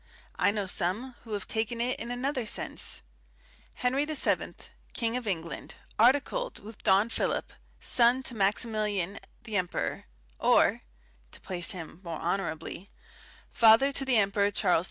I know some who have taken it in another sense. Henry VII., King of England, articled with Don Philip, son to Maximilian the emperor, or (to place him more honourably) father to the Emperor Charles V.